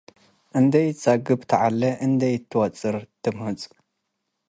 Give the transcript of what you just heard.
እንዴ ኢትጸግብ ተዐሌ፡ እንዴ ኢተአትወጭር ትምህጽ።